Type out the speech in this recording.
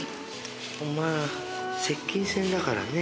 お前接近戦だからねぇ。